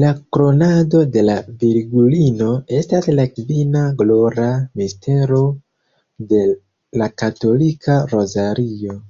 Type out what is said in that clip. La "Kronado de la Virgulino" estas la kvina glora mistero de la katolika rozario.